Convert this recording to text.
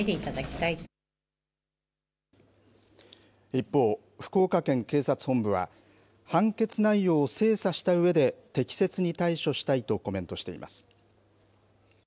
一方、福岡県警察本部は、判決内容を精査したうえで、適切に対処したいとコメントしています。